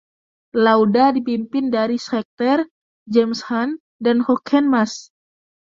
Lauda dipimpin dari Scheckter, James Hunt dan Jochen Mass.